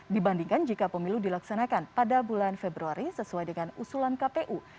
dibandingkan jika pemilu dilaksanakan pada bulan februari sesuai dengan usulan kpu